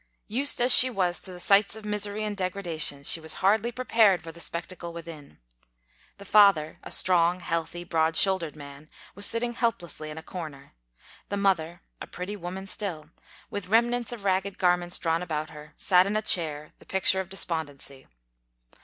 Used as she was to sights of misery and degradation, she was hardly prepared for the spectacle within. The father, a strong, healthy, broad shoul dered man, was sitting helplessly in a corner. The mother, a pretty woman still, with remnants of ragged garments drawn about her, sat in a chair, the picture of despondency.